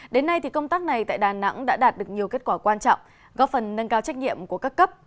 đến nay công tác này tại đà nẵng đã đạt được nhiều kết quả quan trọng góp phần nâng cao trách nhiệm của các cấp